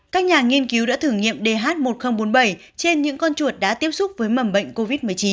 các nhà nghiên cứu đã thử nghiệm dh một nghìn bốn mươi bảy trên những con chuột đã tiếp xúc với mầm bệnh covid một mươi chín